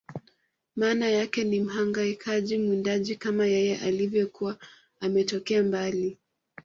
Maana yake ni Mhangaikaji Mwindaji kama yeye alivyokuwa ametokea mbali